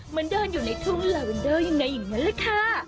เหมือนเดินอยู่ในทุ่งลาเวนเดอร์ยังไงอย่างนั้นแหละค่ะ